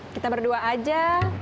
kita berdua aja